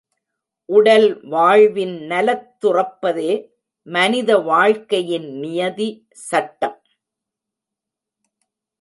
உடல் வாழ்வின் நலத் துறப்பதே மனித வாழ்க்கையின் நியதி, சட்டம்.